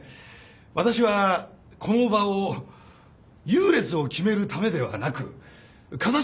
私はこの場を優劣を決めるためではなく風汐